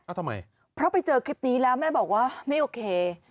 ทำไมเพราะไปเจอคลิปนี้แล้วแม่บอกว่าไม่โอเค